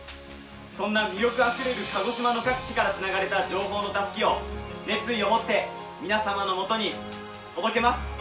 そんな魅力あふれる鹿児島の各地からつながれた情報のたすきを熱意を持って皆様のもとに届けます。